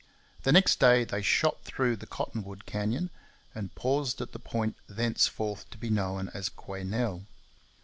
The next day they shot through the Cottonwood canyon, and paused at the point thenceforth to be known as Quesnel.